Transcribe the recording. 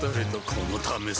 このためさ